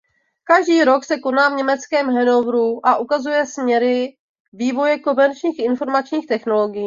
Každý rok se koná v německém Hannoveru a ukazuje směry vývoje komerčních informačních technologií.